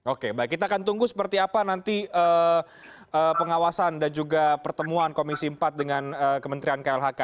oke baik kita akan tunggu seperti apa nanti pengawasan dan juga pertemuan komisi empat dengan kementerian klhk